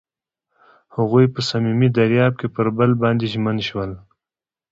هغوی په صمیمي دریاب کې پر بل باندې ژمن شول.